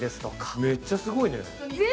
めっちゃすごいね。